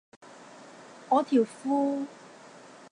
我條褲